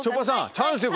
チャンスよ